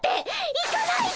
行かないで！